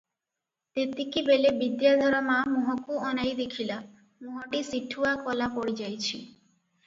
ତେତିକିବେଳେ ବିଦ୍ୟାଧର ମା ମୁହଁକୁ ଅନାଇ ଦେଖିଲା, ମୁହଁଟି ସିଠୁଆ କଳା ପଡ଼ିଯାଇଛି ।